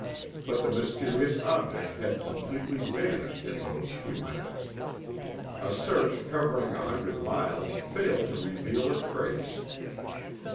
But the mysterious object had completely vanished in those few minutes. A search covering a hundred miles failed to reveal a trace.